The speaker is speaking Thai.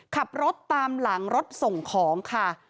ขับรถตามหลังรถส่งของค่ะ